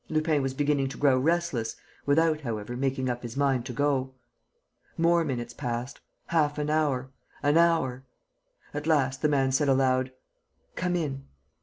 Lupin was beginning to grow restless, without, however, making up his mind to go. More minutes passed, half an hour, an hour. ... At last, the man said aloud: "Come in."